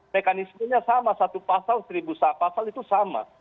mekanismenya sama satu pasal seribu pasal itu sama